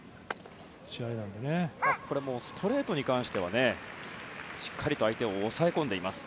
ただ、ストレートに関してはしっかりと相手を抑え込んでいます。